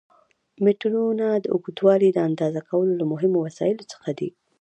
مترونه د اوږدوالي د اندازه کولو له مهمو وسایلو څخه دي.